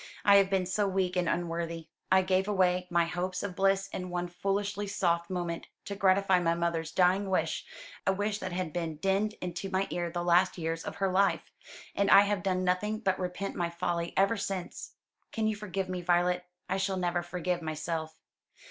"I have been so weak and unworthy. I gave away my hopes of bliss in one foolishly soft moment, to gratify my mother's dying wish a wish that had been dinned into my ear the last years of her life and I have done nothing but repent my folly ever since. Can you forgive me, Violet? I shall never forgive myself."